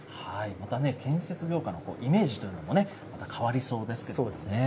また建設業界のイメージというのも、変わりそうですけれどもね。